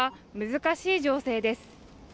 難しい情勢です